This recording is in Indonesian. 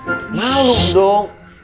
kan malu dong